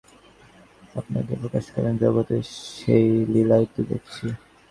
অন্তহীন-এক অন্তহীন অনেকে আপনাকে প্রকাশ করেন– জগতে সেই লীলাই তো দেখছি।